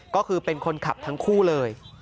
ก็คือเป็นคนขับทั้งคู่เลย